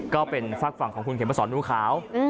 ก็เป็นฝากฝั่งของคุณเข็มมาสอนดูขาว